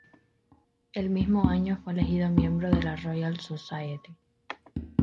El mismo año fue elegido miembro de la Royal Society.